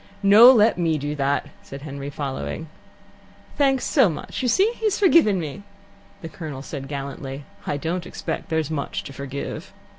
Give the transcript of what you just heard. "No, let me do that," said Henry, following. "Thanks so much! You see he has forgiven me!" The Colonel said gallantly: "I don't expect there's much to forgive.